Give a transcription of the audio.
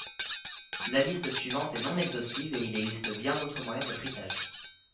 La liste suivante est non exhaustive et il existe bien d'autres moyens de frittage.